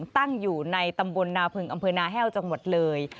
ตั้งอยู่ในตำบลนาพึงอำเภอนาแห้วจังหวัดเลย